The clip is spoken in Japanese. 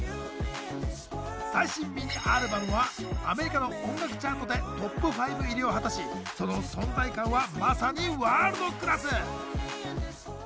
最新ミニアルバムはアメリカの音楽チャートでトップ５入りを果たしその存在感はまさにワールドクラス！